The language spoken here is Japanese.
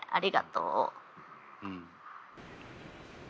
うん。